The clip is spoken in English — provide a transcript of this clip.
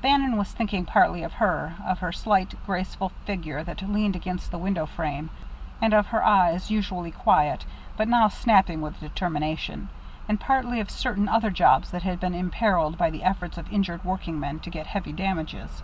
Bannon was thinking partly of her of her slight, graceful figure that leaned against the window frame, and of her eyes, usually quiet, but now snapping with determination and partly of certain other jobs that had been imperiled by the efforts of injured workingmen to get heavy damages.